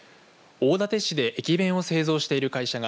大館市で駅弁を製造している会社が